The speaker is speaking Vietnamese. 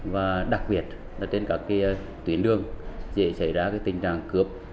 và đặc biệt là trên các cái tuyến đường dễ xảy ra cái tình trạng cướp